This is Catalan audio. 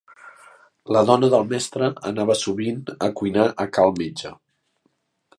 La dona del mestre, anava sovint a cuinar a cal metge.